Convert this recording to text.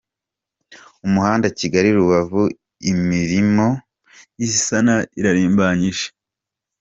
Umuhanda Kigali Rubavu, imirimo y’isana irarimbanyije